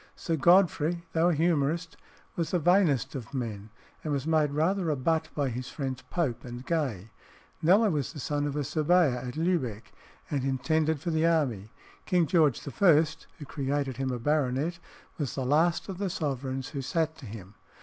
Sir Godfrey, though a humorist, was the vainest of men, and was made rather a butt by his friends Pope and Gay. Kneller was the son of a surveyor at Lübeck, and intended for the army. King George I., who created him a baronet, was the last of the sovereigns who sat to him.